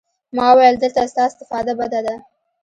ما وويل دلته ستا استفاده بده ده.